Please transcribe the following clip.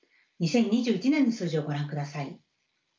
２０２１年の数字をご覧ください。